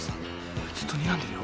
おいずっとにらんでるよ。